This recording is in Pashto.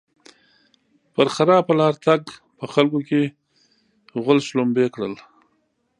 پر خراپه لاره تګ؛ په خلګو کې غول شلومبی کړل.